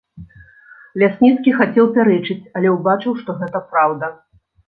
Лясніцкі хацеў пярэчыць, але ўбачыў, што гэта праўда.